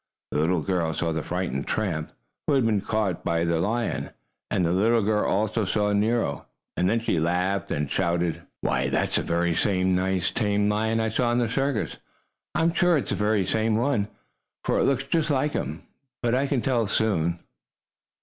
The little girl saw the frightened tramp, who had been caught by the lion, and the little girl also saw Nero. And then she laughed and shouted: "Why, that's the very same nice, tame lion I saw in the circus! I'm sure it's the very same one, for it looks just like him. But I can soon tell."